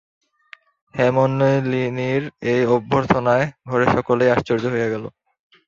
হেমনলিনীর এই অভ্যর্থনায় ঘরের সকলেই আশ্চর্য হইয়া গেল।